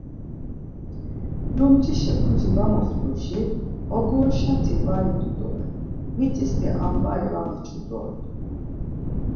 Lumcişe puci var moxtuşi ogoruşati va idu doren, mitisti ambai var meçu doren.